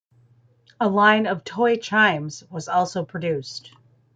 A line of toy chimes was also produced.